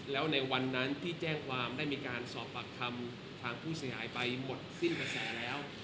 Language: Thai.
แล้วในวันนั้นที่แจ้งความได้มีการสอบปากคำทางผู้เสียหายไปหมดสิ้นกระแสแล้ว